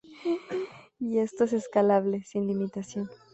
Y esto es escalable, sin limitación.